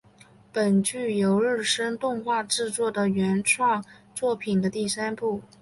本剧由日升动画制作的原创作品的第三部。